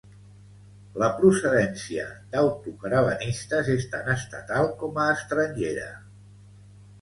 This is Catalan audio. La procedència dautocaravanistes és tant estatal com a estrangera.